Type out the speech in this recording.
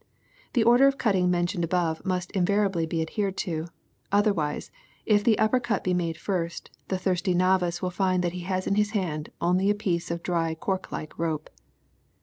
The order of cutting mentioned above must invariably be adhered to, otherwise, if the upper cut be made first, the thirsty novice will find he has in his hand only a piece of dry cork like rope.